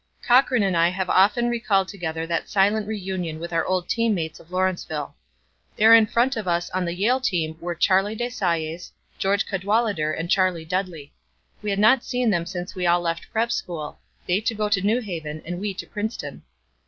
Cochran and I have often recalled together that silent reunion with our old team mates of Lawrenceville. There in front of us on the Yale team were Charlie de Saulles, George Cadwalader and Charlie Dudley. We had not seen them since we all left prep. school, they to go to New Haven and we to Princeton.